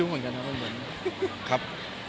ตื่นก่อนแถวพี่สัน